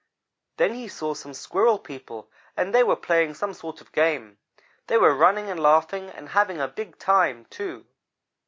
Then he saw some Squirrel people, and they were playing some sort of game. They were running and laughing, and having a big time, too.